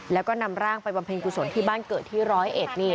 แล้วก็นำร่างไปบำเพ็ญกุศลที่บ้านเกิดที่ร้อยเอ็ดนี่